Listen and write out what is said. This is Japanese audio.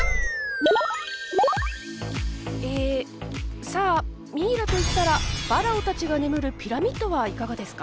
えさあミイラといったらファラオたちが眠るピラミッドはいかがですか？